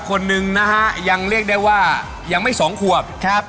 คุณนะฮะยังเรียกได้ว่ายังไม่๒ควบ